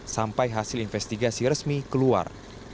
sampai hasil investigasi resmi keluar